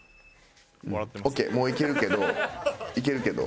オーケーもういけるけどいけるけど。